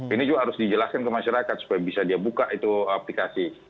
ini juga harus dijelaskan ke masyarakat supaya bisa dia buka itu aplikasi